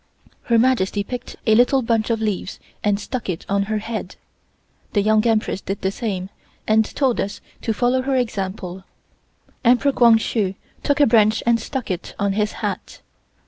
Her Majesty picked a little bunch of leaves and stuck it on her head. The Young Empress did the same, and told us to follow her example. Emperor Kwang Hsu took a branch and stuck it on his hat.